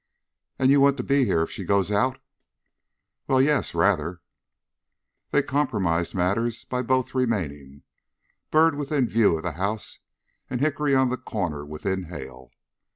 "And you want to be here if she goes out?" "Well, yes, rather!" They compromised matters by both remaining, Byrd within view of the house and Hickory on a corner within hail.